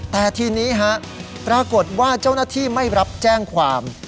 แต่ทีนี้ฮะปรากฏว่าเจ้าหน้าที่ไม่รับแจ้งความ